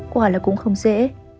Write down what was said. quả là cũng không dễ